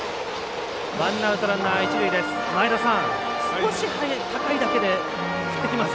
ワンアウト、ランナー、一塁です。